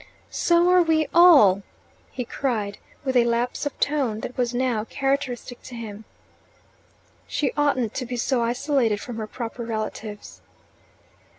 "So are we all!" he cried, with a lapse of tone that was now characteristic in him. "She oughtn't to be so isolated from her proper relatives."